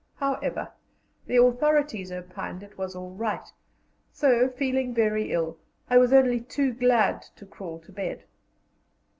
However, the authorities opined it was all right; so, feeling very ill, I was only too glad to crawl to bed.